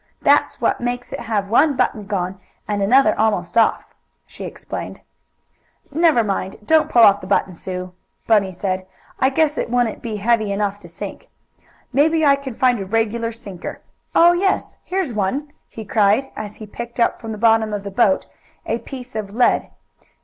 That's what makes it have one button gone and another almost off," she explained. "Never mind. Don't pull off the button, Sue," Bunny said. "I guess it wouldn't be heavy enough to sink. Maybe I can find a regular sinker. Oh, yes, here's one!" he cried, as he picked up from the bottom of the boat a piece of lead.